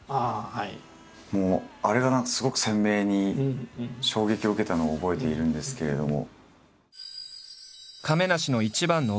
もうあれが何かすごく鮮明に衝撃を受けたのを覚えているんですけれども。